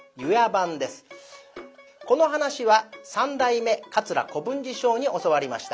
この噺は三代目桂小文治師匠に教わりました。